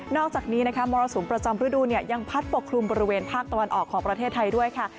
อกจากนี้นะคะมรสุมประจำฤดูเนี่ยยังพัดปกคลุมบริเวณภาคตะวันออกของประเทศไทยด้วยค่ะ